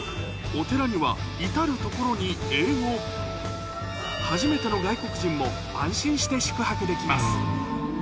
お寺には至る所に英語初めての外国人も安心して宿泊できます